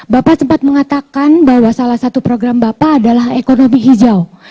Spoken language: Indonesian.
bapak sempat mengatakan bahwa salah satu program bapak adalah ekonomi hijau